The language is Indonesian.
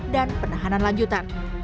dan penahanan lanjutan